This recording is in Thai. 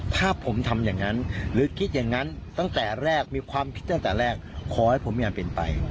ถ้าผมทำอย่างนั้นหรือคิดอย่างนั้นตั้งแต่แรกมีความคิดตั้งแต่แรกขอให้ผมมีอันเป็นไป